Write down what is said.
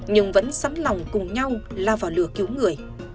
nhưng vẫn sẵn lòng cùng nhau lao vào lừa cứu người